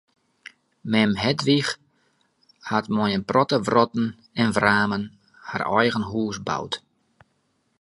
Mem Hedwig hat mei in protte wrotten en wramen har eigen hûs boud.